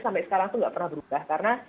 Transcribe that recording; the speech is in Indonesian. sampai sekarang itu nggak pernah berubah karena